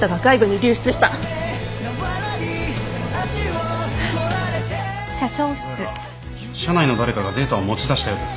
どうやら社内の誰かがデータを持ち出したようです。